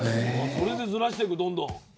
それでずらしてくどんどん。